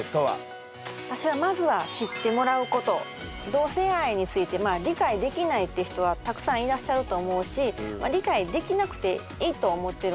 同性愛について理解できないっていう人はたくさんいらっしゃると思うし理解できなくていいと思ってるんですね。